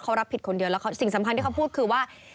เขารับผิดคนเดียวแล้วสิ่งสำคัญที่เขาพูดคือว่า